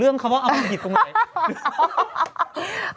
เรื่องคำว่าเอามาหิดตรงไหน